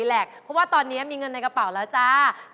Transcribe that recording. เพราะว่าตอนนี้มีเงินในกระเป๋าแล้วจ้า